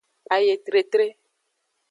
Ayetretre.